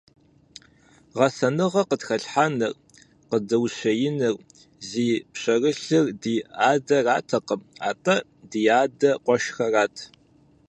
Гъэсэныгъэ къытхэлъхьэныр, къыдэущиеныр зи пщэрылъыр ди адэратэкъым, атӀэ ди адэ къуэшхэрат.